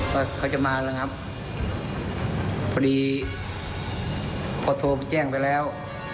ว่าเขาจะมาแล้วครับพอดีพอโทรไปแจ้งไปแล้ว